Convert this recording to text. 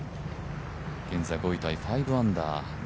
現在５位タイ、５アンダー。